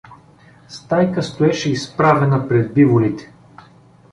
Стайка стоеше изправена пред биволите.